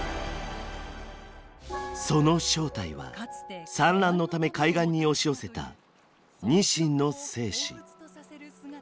その正体は産卵のため海岸に押し寄せたニシンの精子。